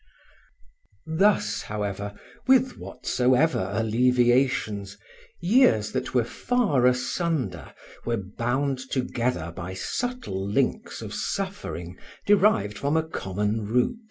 Thus, however, with whatsoever alleviations, years that were far asunder were bound together by subtle links of suffering derived from a common root.